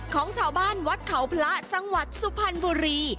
ของชาวบ้านวัดเขาพระจังหวัดสุพรรณบุรี